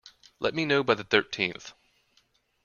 Let me know by the thirteenth.